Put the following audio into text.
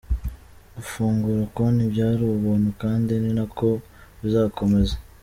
Gufungura konti byari ubuntu kandi ni nako bizakomeza.